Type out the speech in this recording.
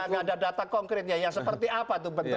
kalau saya tidak ada data konkritnya seperti apa itu bentuknya